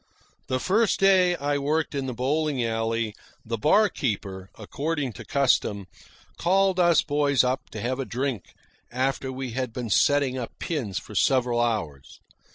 The first day I worked in the bowling alley, the barkeeper, according to custom, called us boys up to have a drink after we had been setting up pins for several hours.